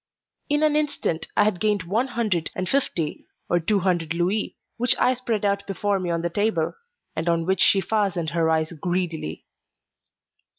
In an instant I had gained one hundred and fifty or two hundred louis, which I spread out before me on the table, and on which she fastened her eyes greedily.